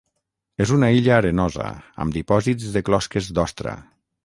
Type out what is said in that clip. És una illa arenosa amb dipòsits de closques d'ostra.